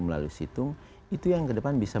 melalui situng itu yang kedepan bisa